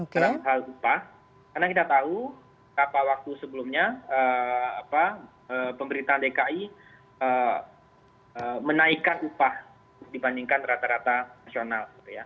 karena kita tahu kapan waktu sebelumnya pemerintahan di ki menaikkan upah dibandingkan rata rata nasional